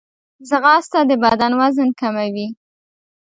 ځغاسته د بدن وزن کموي